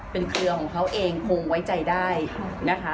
เป็นเครือของเขาเองคงไว้ใจได้นะคะ